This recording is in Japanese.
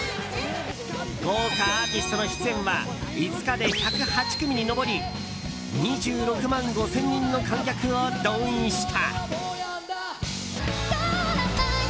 豪華アーティストの出演は５日で１０８組に上り２６万５０００人の観客を動員した。